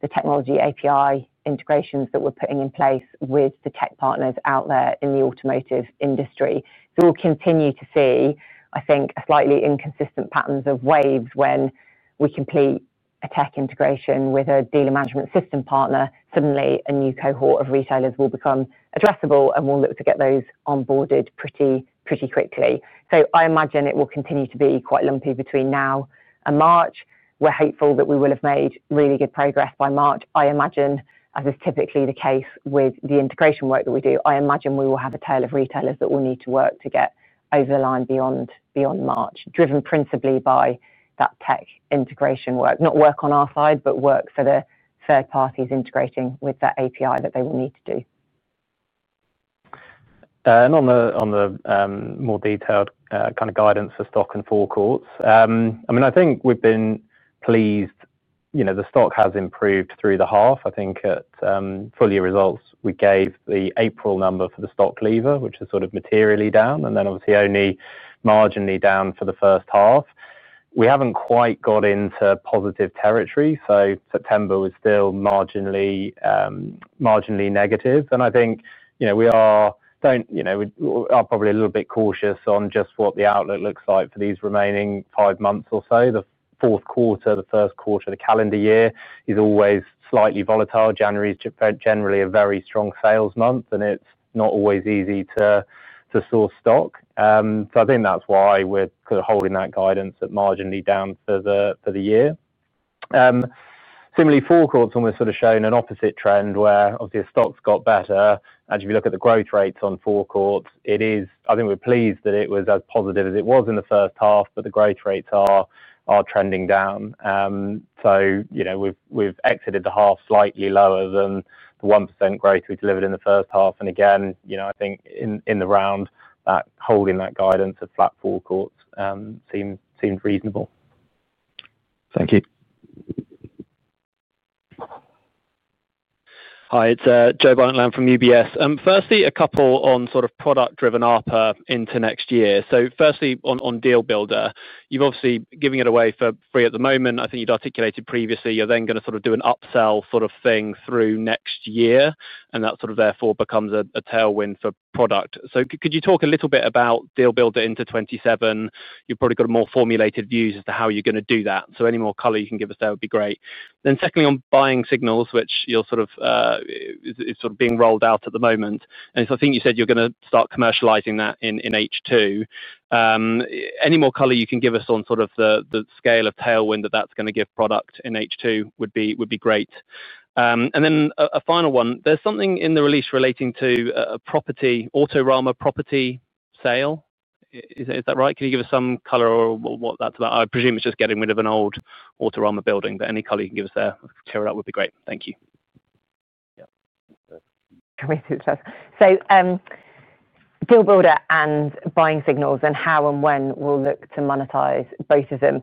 the technology API integrations that we are putting in place with the tech partners out there in the automotive industry. We will continue to see, I think, slightly inconsistent patterns of waves. When we complete a tech integration with a dealer management system partner, suddenly a new cohort of retailers will become addressable and we will look to get those onboarded pretty quickly. I imagine it will continue to be quite lumpy between now and March. We are hopeful that we will have made really good progress by March. I imagine, as is typically the case with the integration work that we do, we will have a tail of retailers that we will need to work to get over the line beyond March, driven principally by that tech integration work. Not work on our side, but work for the third parties integrating with that API that they will need to do. On the more detailed kind of guidance for stock and forecourts, I mean, I think we've been pleased, you know, the stock has improved through the half. I think at full year results, we gave the April number for the stock lever, which is sort of materially down and then obviously only marginally down for the first half. We haven't quite got into positive territory. September was still marginally negative and I think we are probably a little bit cautious on just what the outlook looks like for these remaining five months or so. The fourth quarter, the first quarter of the calendar year is always slightly volatile. January is generally a very strong sales month and it's not always easy to source stock. I think that's why we're holding that guidance at marginally down for the year. Similarly, forecourts almost sort of showing an opposite trend where obviously stocks got better. As we look at the growth rates on forecourts, it is, I think we're pleased that it was as positive as it was in the first half, but the growth rates are trending down. We have exited the half slightly lower than the 1% growth we delivered in the first half. I think in the round holding that guidance of flat forecourts seemed reasonable. Thank you. Hi, it's Joe Bonnetland from UBS. Firstly, a couple on sort of product driven ARPR into next year. Firstly on Deal Builder, you've obviously given it away for free at the moment. I think you'd articulated previously you're then going to sort of do an upsell sort of thing through next year and that sort of therefore becomes a tailwind for product. Could you talk a little bit about Deal Builder into 2027? You've probably got more formulated views as to how you're going to do that. Any more color you can give us there would be great. Secondly on Buying Signals, which is sort of being rolled out at the moment. I think you said you're going to start commercializing that in H2. Any more color you can give us on sort of the scale of tailwind that that's going to give product in H2 would be great. Then a final one, there's something in the release relating to a Autorama property sale, is that right? Can you give us some color or what that's about? I presume it's just getting rid of an old Autorama building, but any color you can give us there, tear it up would be great. Thank you. Deal Builder and Buying Signals and how and when we'll look to monetize both of them,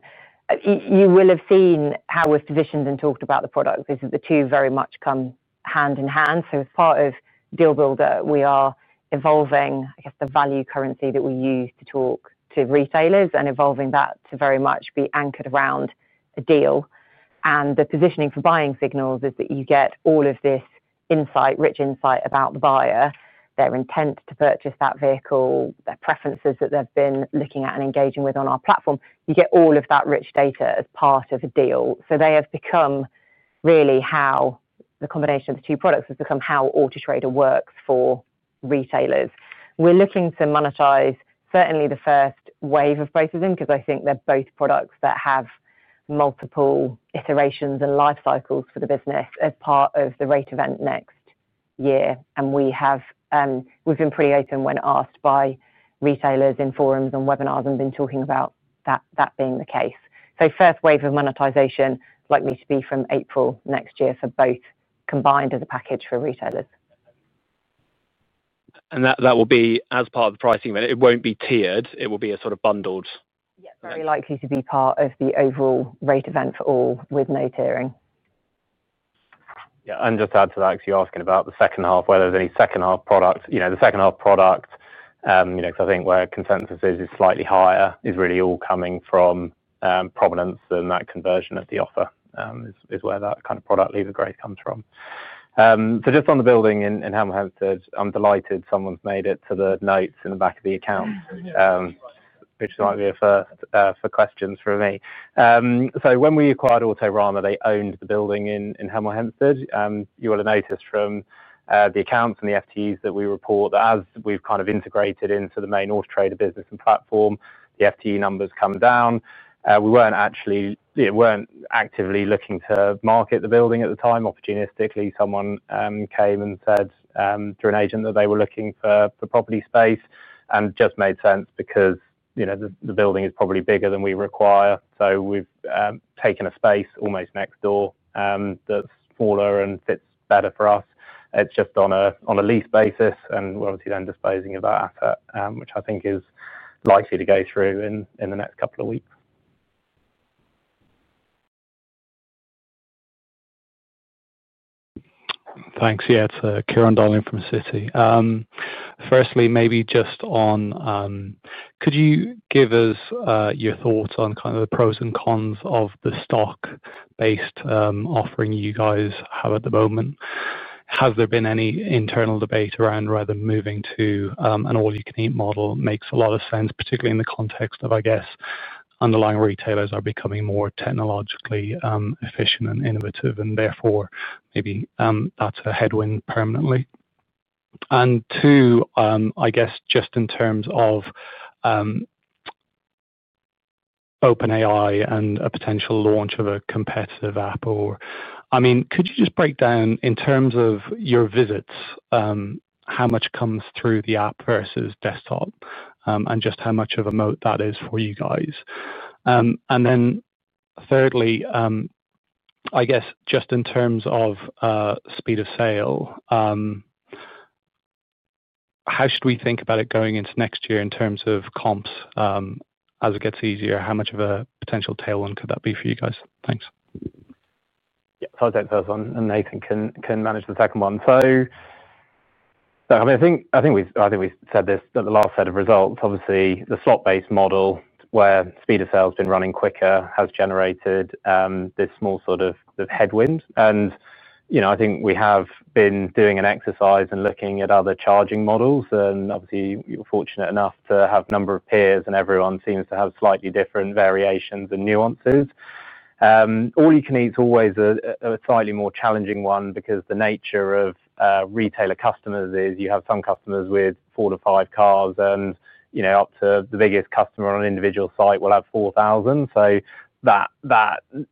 you will have seen how we've positioned and talked about the product is that the two very much come hand in hand. As part of Deal Builder we are evolving, I guess, the value currency that we use to talk to retailers and evolving that to very much be anchored around a deal, and the positioning for Buying Signals is that you get all of this insight, rich insight about the buyer, their intent to purchase that vehicle, their preferences that they've been looking at and engaging with on our platform. You get all of that rich data as part of a deal. They have become really how the combination of the two products has become how Auto Trader works for retailers. We're looking to monetize certainly the first wave of both of them because I think they're both products that have multiple iterations and life cycles for the business as part of the rate event next year. We have, was in pre open when asked by retailers in forums and webinars, and been talking about that being the case. First wave of monetization likely to be from April next year for both combined as a package for retailers. That will be as part of the pricing event. It will not be tiered, it will be a sort of bundled. Very likely to be part of the overall rate event for all with no tiering. Just to add to that because you're asking about the second half, whether there's any second half product, you know, the second half product, I think where consensus is slightly higher is really all coming from prominence and that conversion of the offer is where that kind of product lever of growth comes from. Just on the building in Hemel Hempstead, I'm delighted someone's made it to the notes in the back of the account, which might be a first for questions for me. When we acquired Autorama they owned the building in Hemel Hempstead. You will have noticed from the accounts and the FTEs that we report that as we've kind of integrated into the main Auto Trader business and platform, the FTE numbers come down. We weren't actually actively looking to market the building at the time. Opportunistically someone came and said through an agent that they were looking for property space and just made sense because, you know, the building is probably bigger than we require. So we've taken a space almost next door that's smaller and fits better for us. It's just on a lease basis and we're obviously then disposing of that asset, which I think is likely to go through in the next couple of weeks. Thanks. Yeah, it's Kieran Darling from Citi. Firstly, maybe just on, could you give us your thoughts on kind of the pros and cons of the stock based offering you guys have at the moment? Has there been any internal debate around whether moving to an all you can eat model makes a lot of sense, particularly in the context of, I guess, underlying retailers are becoming more technologically efficient and innovative and therefore maybe that's a headwind permanently. Two, I guess just in terms of OpenAI and a potential launch of a Competitive App or, I mean, could you just break down in terms of your visits, how much comes through the App versus desktop and just how much of a moat that is for you guys? Thirdly, I guess just in terms of speed of sale, how should we think about it going into next year in terms of comps as it gets easier, how much of a potential tailwind could that be for you guys? Thanks. Yeah, so I'll take the first one and Nathan can manage the second one. So. I think we said this, the last set of results, obviously the slot based model where speed of sale has been running quicker has generated this small sort of headwind and I think we have been doing an exercise and looking at other charging models and obviously fortunate enough to have a number of peers and everyone seems to have slightly different variations and nuances. All you can eat is always a slightly more challenging one because the nature of retailer customers is you have some customers with four to five cars and up to the biggest customer on an individual site will have 4,000. That is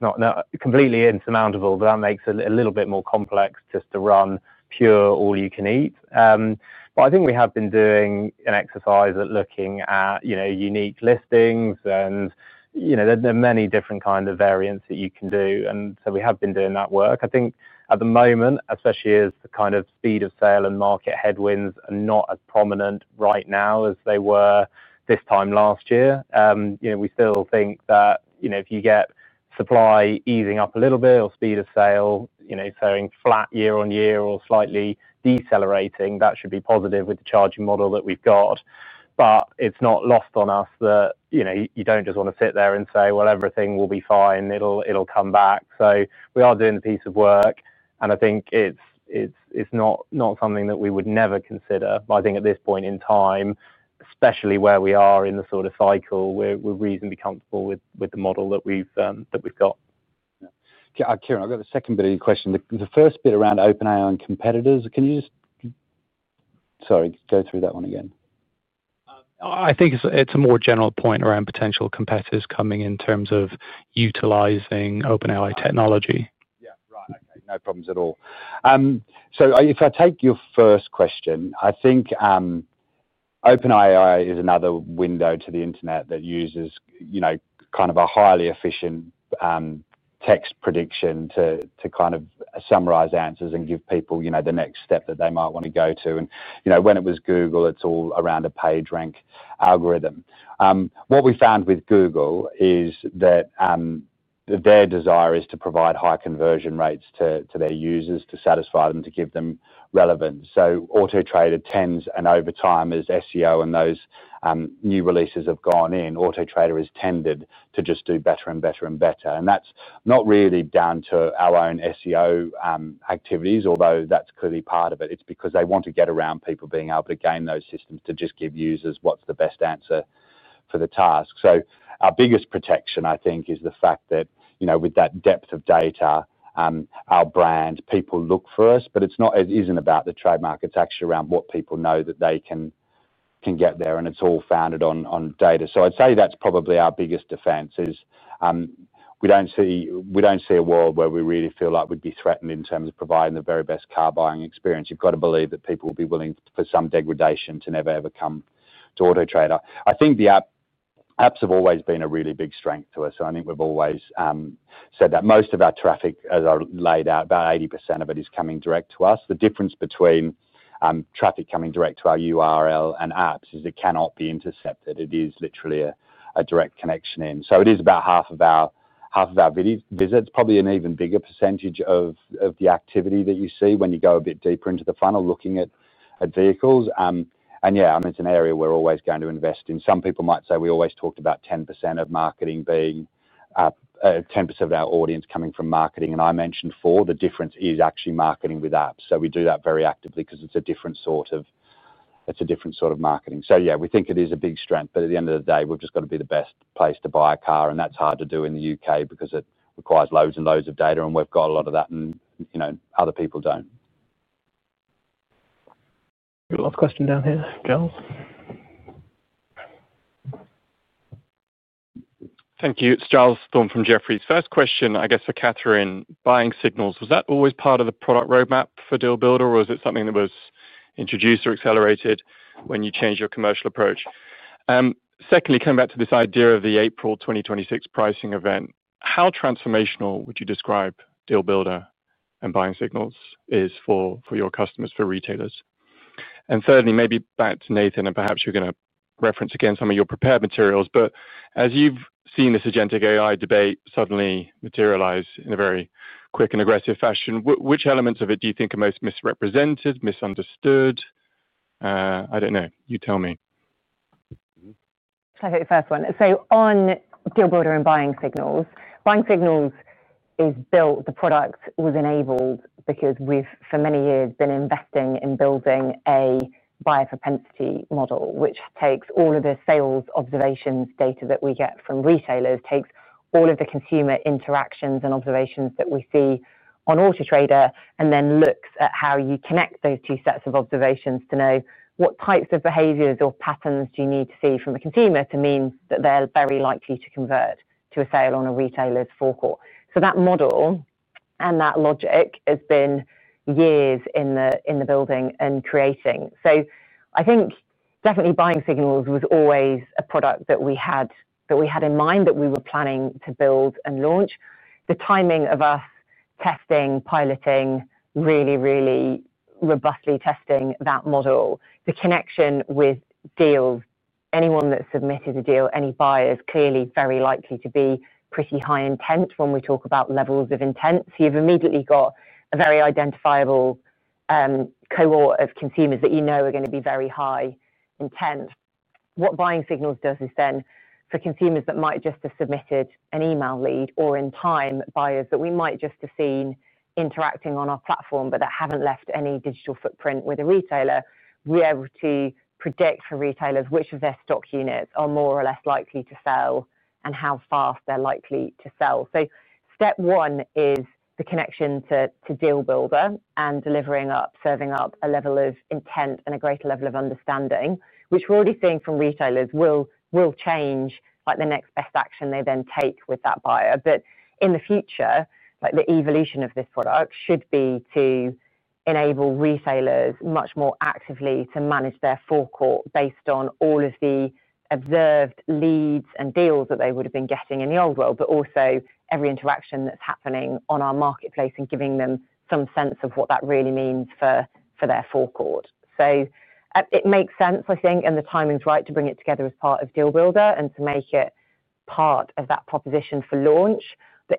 not completely insurmountable. That makes it a little bit more complex just to run pure all you can eat. I think we have been doing an exercise at looking at unique listings and there are many different kind of variants that you can do. We have been doing that work. I think at the moment, especially as the kind of speed of sale and market headwinds are not as prominent right now as they were this time last year. We still think that if you get supply easing up a little bit or speed of sale, you know, staying flat year-on-year or slightly decelerating, that should be positive with the charging model that we have got. It is not lost on us that, you know, you do not just want to sit there and say everything will be fine, it will come back. We are doing a piece of work and I think it is not something that we would never consider. I think at this point in time, especially where we are in the sort of cycle, we are reasonably comfortable with the model that we have got. Kieran, I've got the second bit of your question. The first bit around OpenAI and competitors. Can you just, sorry, go through that once again? I think it's a more. General point around potential competitors coming in terms of utilizing OpenAI technology. Yeah, right. Okay. No problems at all. If I take your first question, I think OpenAI is another window to the Internet that uses kind of a highly efficient text prediction to kind of summarize answers and give people the next step that they might want to go to. When it was Google, it is all around a page rank algorithm. What we found with Google is that their desire is to provide high conversion rates to their users to satisfy them, to give them relevance. Auto Trader tends, and over time its SEO and those new releases have gone in, Auto Trader has tended to just do better and better and better. That is not really down to our own SEO activities, although that is clearly part of it. It is because they want to get around people being able to game those systems to just give users what is the best answer for the task. Our biggest protection, I think, is the fact that with that depth of data, our brand, people look for us, but it is not about the trademark. It is actually around what people know that they can get there. It is all founded on data. I would say that is probably our biggest defense. We do not see a world where we really feel like we would be threatened in terms of providing the very best car buying experience. You have got to believe that people will be willing for some degradation to never, ever come to Auto Trader. I think the Apps have always been a really big strength to us. I think we have always said that most of our traffic, as I laid out, about 80% of it, is coming direct to us. The difference between traffic coming direct to our URL and Apps is it cannot be intercepted. It is literally a direct connection in. It is about half of our visits, probably an even bigger percentage of the activity that you see when you go a bit deeper into the funnel looking at vehicles. Yeah, it is an area we are always going to invest in. Some people might say we always talked about 10% of marketing being 10% of our audience coming from marketing. I mentioned four. The difference is actually marketing with Apps. We do that very actively because it is a different sort of marketing. Yeah, we think it is a big strength. At the end of the day, we have just got to be the best place to buy a car. That's hard to do in the U.K. because it requires loads and loads of data, and we've got a lot of that and other people don't. Last question down here, Giles. Thank you. It's Giles Thorne from Jefferies. First question, I guess for Catherine, Buying Signals, was that always part of the product roadmap for Deal Builder or is it something that was introduced or accelerated when you change your commercial approach? Secondly, coming back to this idea of the April 2026 pricing event, how transformational would you describe Deal Builder and Buying Signals is for your customers, for retailers? And thirdly, maybe back to Nathan and perhaps you're going to reference again some of your prepared materials. But as you've seen the agentic AI debate suddenly materialize in a very quick and aggressive fashion, which of it do you think are most misrepresented, misunderstood? I don't know. You tell me. The first one. On Deal Builder and Buying Signals. Buying Signals is built. The product was enabled because we've for many years been investing in building a buyer propensity model which takes all of the sales observations, data that we get from retailers, takes all of the consumer interactions and observations that we see on Auto Trader, and then looks at how you connect those two sets of observations to know what types of behaviors or patterns you need to see from a consumer to mean that they're very likely to convert to a sale on a retailer's forecourt. That model and that logic has been years in the building and creating. I think definitely Buying Signals was always a product that we had in mind that we were planning to build and launch. The timing of us testing, piloting, really, really robustly testing that model, the connection with deals, anyone that submitted a deal, any buyer is clearly very likely to be pretty high intent when we talk about levels of intent. You have immediately got a very identifiable cohort of consumers that you know are going to be very high intent. What Buying Signals does is then for consumers that might just have submitted an email lead or in time buyers that we might just have seen interacting on our platform but that have not left any digital footprint with a retailer. We have to predict for retailers which of their stock units are more or less likely to sell and how fast they are likely to sell. Step one is the connection to Deal Builder and delivering up, serving up a level of intent and a greater level of understanding which we're already seeing from retailers will change like the next best action they then take with that buyer. In the future, the evolution of this product should be to enable retailers much more actively to manage their forecourt based on all of the observed leads and deals that they would have been getting in the old world, but also every interaction that's happening on our marketplace and giving them some sense of what that really means for their forecourt. It makes sense, I think, and the timing is right to bring it together as part of Deal Builder and to make it part of that proposition for launch.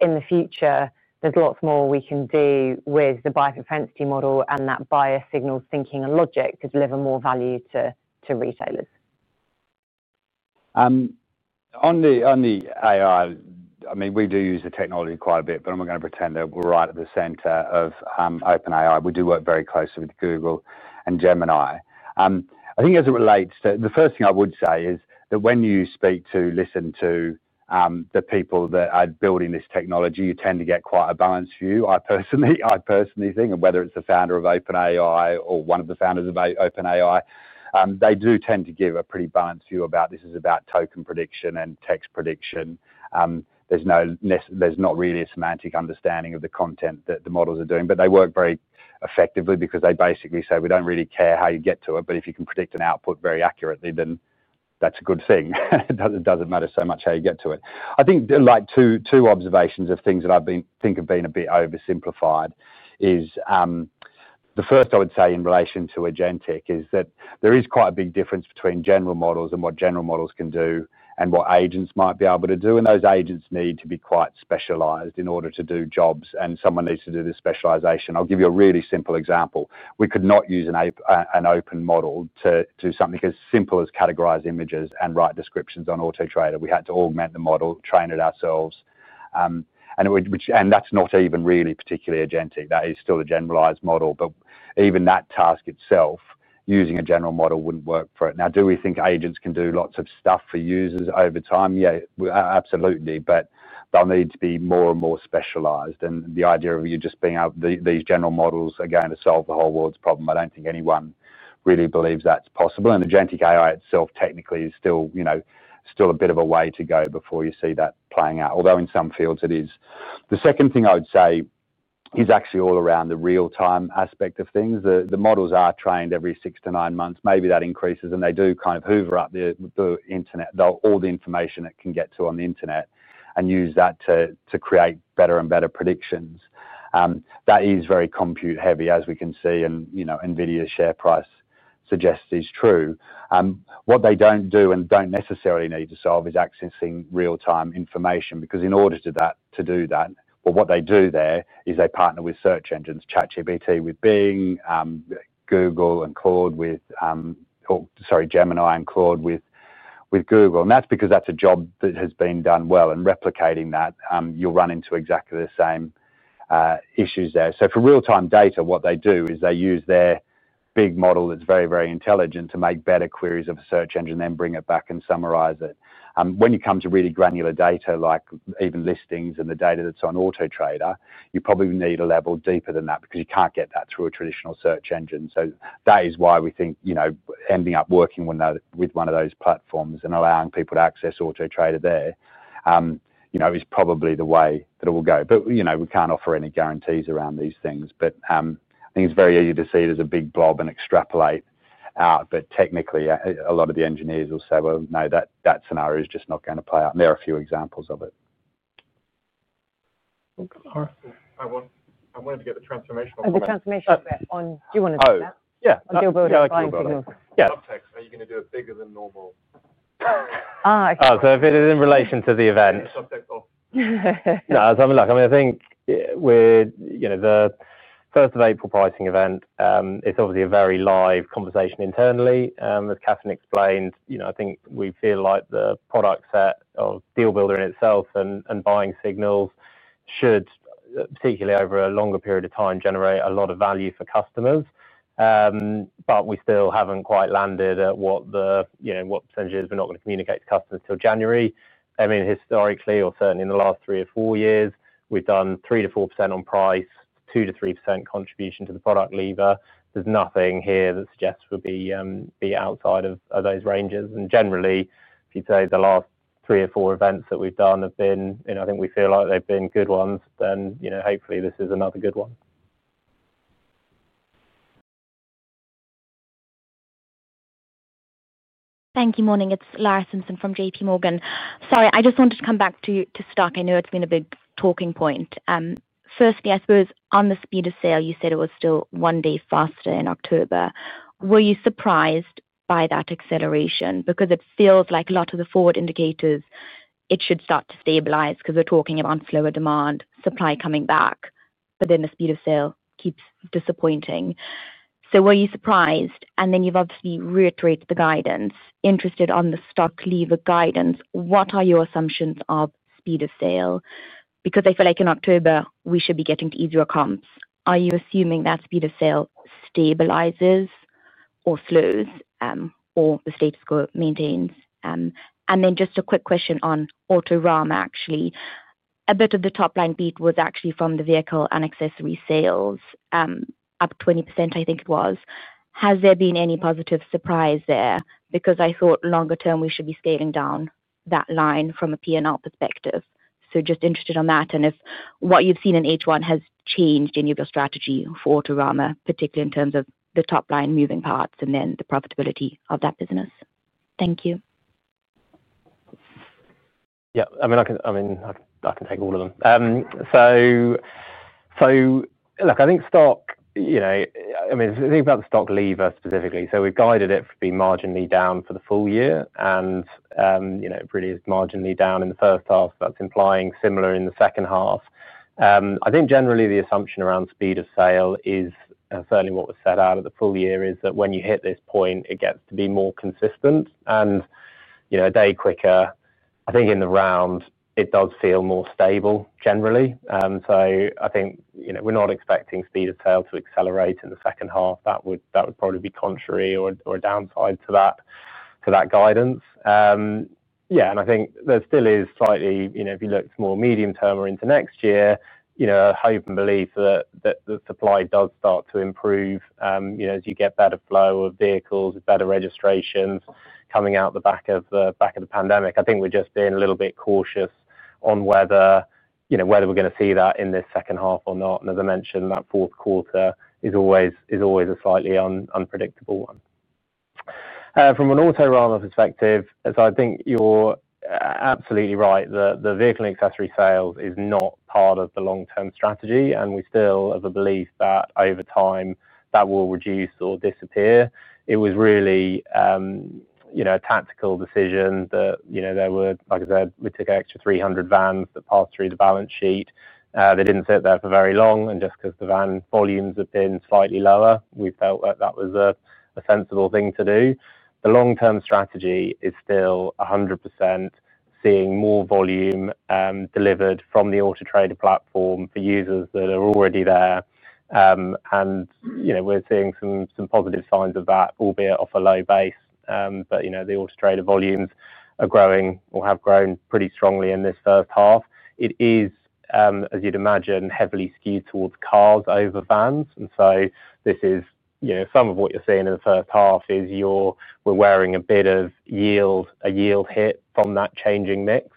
In the future, there's lots more we can do with the bias propensity model and that bias signals thinking and logic to deliver more value to retailers. On the AI. I mean, we do use the technology quite a bit, but I'm not going to pretend that we're right at the center of OpenAI. We do work very closely with Google and Gemini. I think as it relates to, the first thing I would say is that when you speak to or listen to the people that are building this technology, you tend to get quite a balanced view. I personally think, whether it's the founder of OpenAI or one of the founders of OpenAI, they do tend to give a pretty balanced view about, this is about token prediction and text prediction. There's not really a semantic understanding of the content that the models are doing, but they work very effectively because they basically say, we don't really care how you get to it, but if you can predict an output very accurately, then that's a good thing. It does not matter so much how you get to it. I think, like, two observations of things that I think have been a bit oversimplified is the first, I would say in relation to agentic, is that there is quite a big difference between general models and what general models can do and what agents might be able to do. Those agents need to be quite specialized in order to do jobs and someone needs to do this specialization. I will give you a really simple example. We could not use an open model to do something as simple as categorize images and write descriptions on Auto Trader. We had to augment the model, train it ourselves. That is not even really particularly agentic. That is still a generalized model, but even that task itself, using a general model would not work for it. Now, do we think agents can do lots of stuff for users over time? Yeah, absolutely. They will need to be more and more specialized. The idea of you just being able, these general models are going to solve the whole world's problem. I do not think anyone really believes that is possible. Agentic AI itself technically is still, you know, still a bit of a way to go before you see that playing out, although in some fields it is. The second thing I would say is actually all around the real-time aspect of things, the models are trained. Every six to nine months, maybe that increases and they do kind of hoover up the Internet, though all the information it can get to on the Internet and use that to create better and better predictions. That is very compute heavy as we can see and NVIDIA share price suggests is true. What they do not do and do not necessarily need to solve is accessing real time information because in order to do that. What they do there is they partner with search engines, ChatGPT with Bing, Gemini and Claude with Google. That is because that is a job that has been done well and replicating that, you will run into exactly the same issues there. For real time data what they do is they use their big model that is very, very intelligent to make better queries of a search engine, then bring it back and summarize it. When you come to really granular data like even listings and the data that is on Auto Trader, you probably need a level deeper than that because you cannot get that through a traditional search engine. That is why we think, you know, ending up working with one of those platforms and allowing people to access Auto Trader, there's, you know, is probably the way that it will go. You know, we can't offer any guarantees around these things. I think it's very easy to see it as a big blob and extrapolate out. Technically a lot of the engineers will say well no, that scenario is just not going to play out. There are a few examples of it. I wanted to get the transformational bit on. Do you want do that? Are you going to do it bigger than normal? If it is in relation to the event, I mean, I think with the 1s of April pricing event, it's obviously a very live conversation internally, as Catherine explained. I think we feel like the product set of Deal Builder in itself and Buying Signals should, particularly over a longer period of time, generate a lot of value for customers. We still haven't quite landed at what the, you know, what percentage is. We're not going to communicate to customers until January. Historically, or certainly in the last three or four years, we've done 3%-4% on price, 2%-3% contribution to the product lever. There is nothing here that suggests we'll be outside of those ranges. Generally, if you say the last three or four events that we've done have been. I think we feel like they've been good ones, then hopefully this is another good one. Thank you. Morning. It's Lara Simpson from JPMorgan. Sorry, I just wanted to come back to stock. I know it's been a big talking point. Firstly, I suppose, on the speed of sale, you said it was still one day faster in October. Were you surprised by that acceleration? Because it feels like a lot of the forward indicators it should start to stabilize because we're talking about slower demand, supply coming back. The speed of sale keeps disappointing. Were you surprised? You have obviously reiterated the guidance. Interested on the stock lever guidance, what are your assumptions of speed of sale? I feel like in October we should be getting to easier comps. Are you assuming that speed of sale stabilizes or slows or the status quo maintains? Just a quick question on Autorama, actually a bit of the top line beat was actually from the vehicle and accessory sales, up 20%. I think it was. Has there been any positive surprise there? I thought longer term we should be scaling down that line from a P&L perspective. Just interested on that and if what you've seen in H1 has changed in your strategy for Autorama, particularly in terms of the top line moving parts and then the profitability of that business. Thank you. Yeah, I mean, I can take all of them. Look, I think stock, you know, I mean, think about the stock lever specifically. We've guided it be marginally down for the full year and, you know, it really is marginally down in the first half. That's implying similar in the second half. I think generally the assumption around speed of sale is certainly what was set out at the full year, is that when you hit this point it gets to be more consistent and a day quicker. I think in the round it does feel more stable generally. I think we're not expecting speed of sale to accelerate in the second half. That would probably be contrary or downside to that guidance. I think there still is slightly, if you look more medium term or into next year, a hope and belief that the supply does start to improve as you get better flow of vehicles, better registrations coming out the back of the pandemic. I think we're just being a little bit cautious on whether we're going to see that in this second half or not. As I mentioned, that fourth quarter is always a slightly unpredictable one. From an Autorama perspective, I think you're absolutely right. The vehicle accessory sales is not part of the long term strategy. We still have a belief that over time that will reduce or disappear. It was really a tactical decision. Like I said, we took an extra 300 vans that passed through the balance sheet. They didn't sit there for very long. Just because the van volumes have been slightly lower, we felt like that was a sensible thing to do. The long term strategy is still 100% seeing more volume delivered from the Auto Trader platform for users that are already there. We are seeing some positive signs of that, albeit off a low base. The Auto Trader volumes are growing or have grown pretty strongly in this first half. It is, as you would imagine, heavily skewed towards cars over vans. Some of what you are seeing in the first half is we are wearing a bit of a yield hit from that changing mix,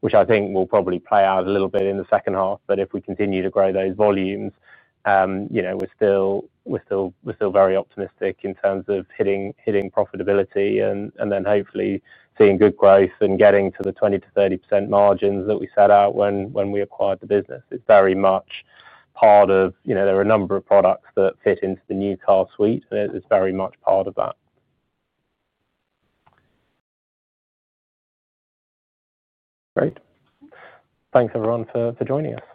which I think will probably play out a little bit in the second half. If we continue to grow those volumes, we're still very optimistic in terms of hitting profitability and then hopefully seeing good growth and getting to the 20%-30% margins that we set out when we acquired the business. It is very much part of, you know, there are a number of products that fit into the new car suite. It is very much part of that. Great. Thanks everyone for joining us.